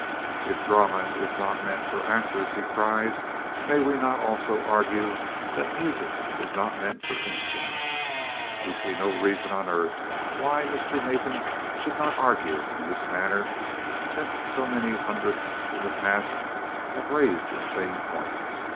"If drama is not meant for actors," he cries, "may we not also argue that music is not meant for instruments?" We see no reason on earth why Mr. Nathan should not argue in this manner, since so many hundreds in the past have raised the same point.